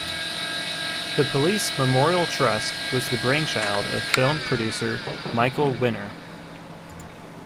The Police Memorial Trust was the brainchild of film producer Michael Winner.